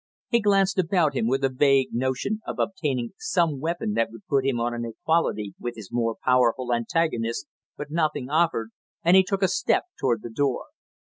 He glanced about him with a vague notion of obtaining some weapon that would put him on an equality with his more powerful antagonist, but nothing offered, and he took a step toward the door.